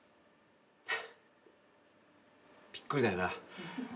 びっくりだよな。